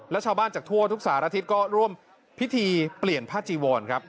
และชาวบ้านจากทั่วทุกสารทิศก็ร่วมพิธีเปลี่ยนผ้าจีวรครับ